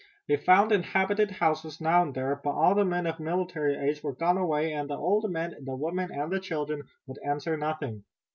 They found inhabited houses now and then, but all the men of military age were gone away and the old men, the women and the children would answer nothing.